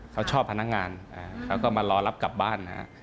เขาชอบพนักงานเขาก็มารอรับกลับบ้าน